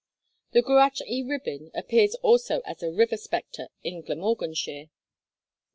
The Gwrach y Rhibyn appears also as a river spectre, in Glamorganshire.